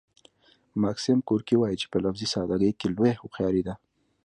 ماکسیم ګورکي وايي چې په لفظي ساده ګۍ کې لویه هوښیاري ده